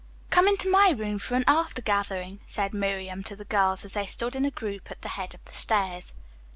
"Come into my room for an after gathering," said Miriam to the girls, as they stood in a group at the head of the stairs.